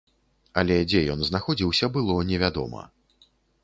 Але дзе ён знаходзіўся, было невядома.